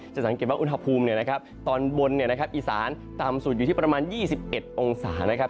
สังเกตว่าอุณหภูมิตอนบนอีสานต่ำสุดอยู่ที่ประมาณ๒๑องศานะครับ